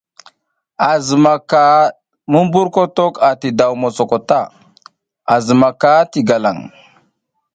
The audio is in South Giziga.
A zimaka mumburkotok ati daw mosoko ta, a zimaka ti galaŋ.